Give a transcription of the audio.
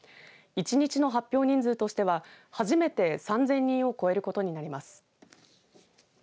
１日の発表人数としては初めて３０００人を超えることになります。